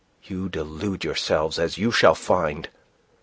You delude yourselves, as you shall find.